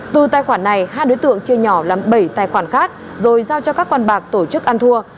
từ tài khoản này hai đối tượng chia nhỏ làm bảy tài khoản khác rồi giao cho các con bạc tổ chức ăn thua